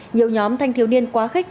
nhiều nhóm thanh thiếu niên quá khích